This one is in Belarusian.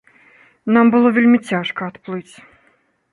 Нам было вельмі цяжка адплыць.